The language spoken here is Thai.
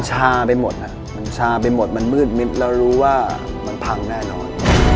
ชาไปหมดมันชาไปหมดมันมืดมิดแล้วรู้ว่ามันพังแน่นอน